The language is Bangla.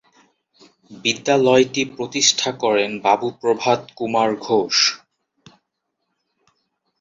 বিদ্যালয়টি প্রতিষ্ঠা করেন বাবু প্রভাত কুমার ঘোষ।